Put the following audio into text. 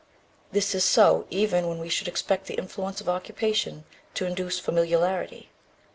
This is so even when we should expect the influence of occupation to induce familiarity.